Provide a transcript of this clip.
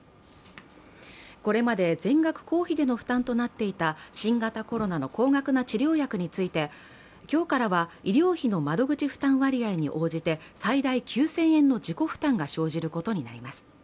これまで、全額公費での負担となっていた新型コロナの高額な治療薬について今日からは医療費の窓口負担割合に応じて最大９０００円の自己負担が生じることになります